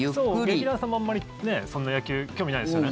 劇団さんも、あんまりそんな野球、興味ないですよね。